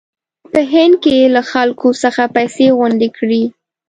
په هند کې یې له خلکو څخه پیسې غونډې کړې.